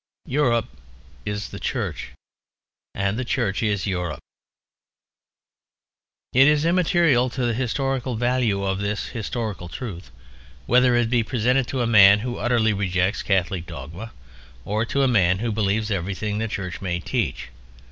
Europe is the Church, and the Church is Europe. It is immaterial to the historical value of this historical truth whether it be presented to a man who utterly rejects Catholic dogma or to a man who believes everything the Church may teach.